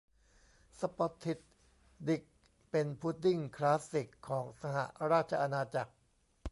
สป็อททิด ดิก เป็นพุดดิ้งคลาสสิกของสหราชอาณาจักร